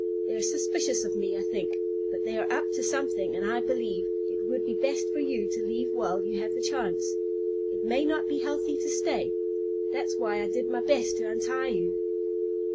They are suspicious of me, I think. But they are up to something, and I believe, it would be best for you to leave while you have the chance. It may not be healthy to stay. That's why I did my best to untie you."